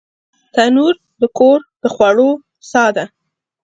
تنور د کور د خوړو ساه ده